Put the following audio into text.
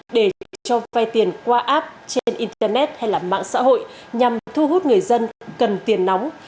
để cho vay tiền qua app trên internet hay mạng xã hội nhằm thu hút người dân cần tiền nóng